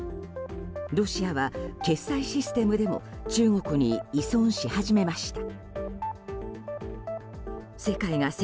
ロシアは決済システムでも中国に依存し始めました。